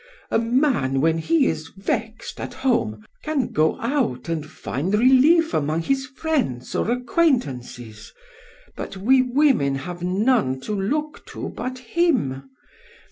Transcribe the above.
A man when he is vexed at home can go out and find relief among his friends or acquaintances; but we women have none to look to but him.